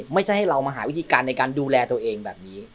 ไม่ใช่ให้เรามาหาวิธีการในการดูแลตัวเองแบบนี้